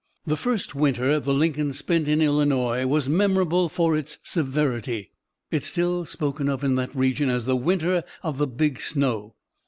The first winter the Lincolns spent in Illinois was memorable for its severity. It is still spoken of in that region as "the winter of the big snow."